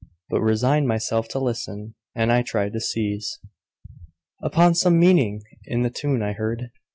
but resigned Myself to listen, and I tried to seize Upon some meaning in the tune I heard.